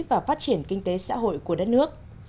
và phát triển kinh tế xã hội của đất nước